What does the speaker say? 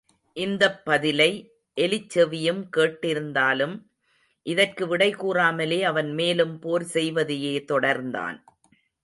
இந்தப் பதிலை எலிச்செவியும் கேட்டிருந்தாலும் இதற்கு விடை கூறாமலே அவன் மேலும் போர் செய்வதையே தொடர்ந்தான்.